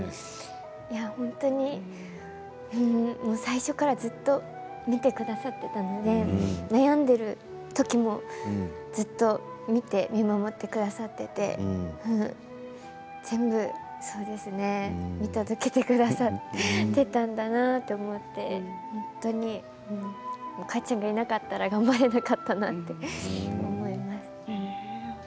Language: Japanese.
本当に最初からずっと見てくださっていたので悩んでいる時もずっと見守ってくださっていて全部そうですね見届けてくださっていたんだなって思って本当にお母ちゃんがいなかったら頑張れなかったなって思います。